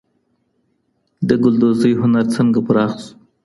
د ګلدوزۍ هنر څنګه پراخ سو؟